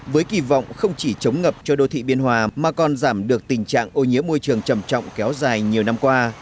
với kỳ vọng không chỉ chống ngập cho đô thị biên hòa mà còn giảm được tình trạng ô nhiễm môi trường trầm trọng kéo dài nhiều năm qua